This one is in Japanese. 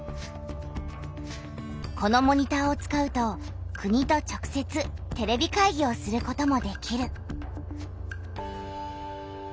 このモニターを使うと国と直せつテレビ会議をすることもできる。